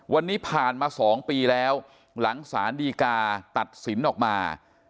วันนี้ผ่านมา๒ปีแล้วหลังสารดีกาตัดสินออกมา